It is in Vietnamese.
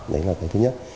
đấy là thứ nhất